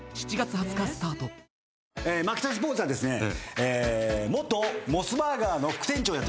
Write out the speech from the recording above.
マキタスポーツはですね元モスバーガーの副店長やってました。